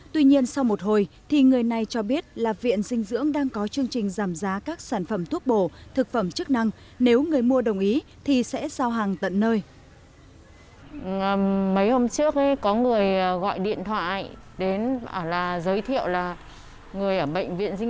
tuy nhiên sau một hồi thì người này cho biết là viện dinh dưỡng đang có chương trình giảm giá các sản phẩm thuốc bổ thực phẩm chức năng nếu người mua đồng ý thì sẽ giao hàng tận nơi